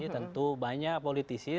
tentu banyak politisi